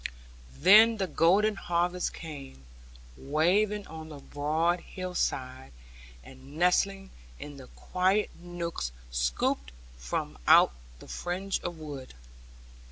Then the golden harvest came, waving on the broad hill side, and nestling in the quiet nooks scooped from out the fringe of wood.